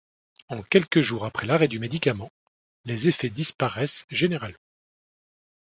En quelques jours après l’arrêt du médicament, les effets disparaissent généralement.